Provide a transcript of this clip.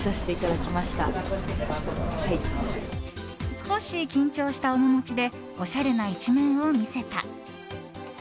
少し緊張した面持ちでおしゃれな一面を見せた。